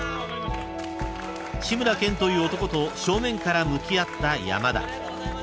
［志村けんという男と正面から向き合った山田］